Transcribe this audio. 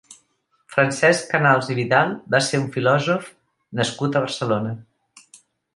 Francesc Canals i Vidal va ser un filòsof nascut a Barcelona.